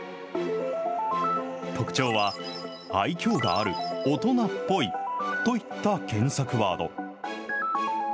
特徴は、愛きょうがある、大人っぽいといった検索ワード。